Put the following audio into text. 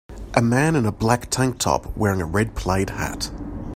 A man in a black tank top wearing a red plaid hat